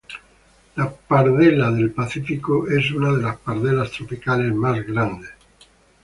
La pardela del Pacífico es una de las pardelas tropicales más grandes.